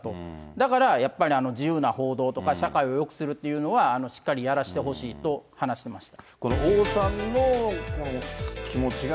だから、やっぱり自由な報道とか社会をよくするというのはしっかりやらしてほしいと話していました。